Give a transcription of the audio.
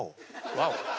「ワオ」？